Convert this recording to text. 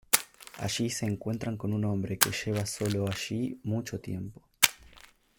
Allí se encuentran con un hombre que lleva solo allí mucho tiempo.